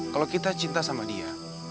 kalau kita cinta sama dia